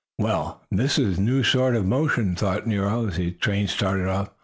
"Well, this is a new sort of motion," thought Nero, as the train started off.